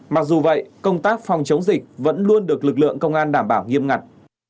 mặc dù vậy công tác phòng chống dịch vẫn luôn được lực lượng công an đảm bảo nghiêm ngặt